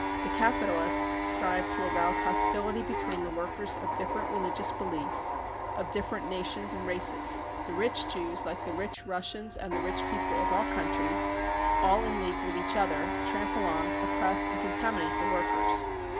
The capitalists strive to arouse hostility between the workers of different religious beliefs, of different nations and races. The rich Jews, like the rich Russians and the rich people of all countries, all in league with each other, trample on, oppress and contaminate the workers.